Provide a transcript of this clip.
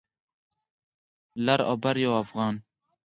لر او بر يو افغان.